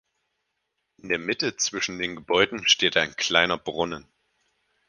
In der Mitte zwischen den Gebäuden steht ein kleiner Brunnen.